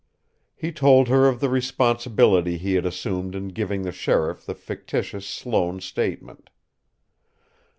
He told her of the responsibility he had assumed in giving the sheriff the fictitious Sloane statement.